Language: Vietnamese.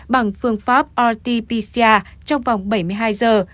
bằng phương pháp rt pcr trong vòng bảy mươi hai giờ